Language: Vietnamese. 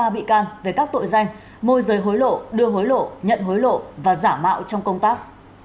ba bị can về các tội danh môi giới hối lộ đưa hối lộ nhận hối lộ và giả mạo trong công tác